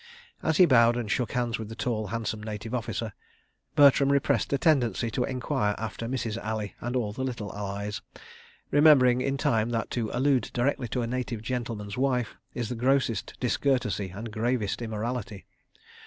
As he bowed and shook hands with the tall, handsome Native Officer, Bertram repressed a tendency to enquire after Mrs. Ali and all the little Allies, remembering in time that to allude directly to a native gentleman's wife is the grossest discourtesy and gravest immorality.